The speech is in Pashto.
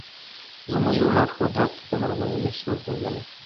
زموږ یوه لارښود راته د مرمیو نښې وښودلې.